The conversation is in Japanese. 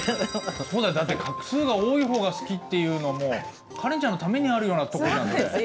そうだよだって画数が多い方が好きっていうのはもうカレンちゃんのためにあるようなとこじゃんそれ。